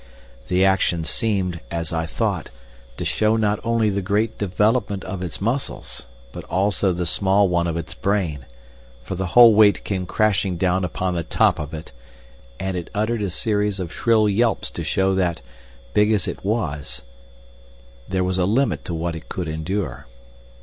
The action seemed, as I thought, to show not only the great development of its muscles, but also the small one of its brain, for the whole weight came crashing down upon the top of it, and it uttered a series of shrill yelps to show that, big as it was, there was a limit to what it could endure.